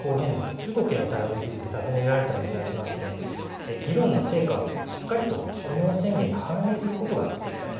中国への対応についてたずねられたのに対しまして議論の成果をしっかりと首脳宣言に反映することができたと。